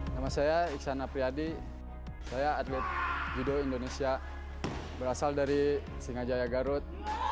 nama saya iksan apriyadi saya atlet judo indonesia berasal dari singajaya garut